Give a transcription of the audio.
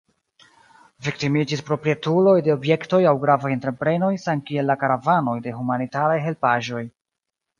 Viktimiĝis proprietuloj de objektoj aŭ gravaj entreprenoj samkiel la karavanoj de humanitaraj helpaĵoj.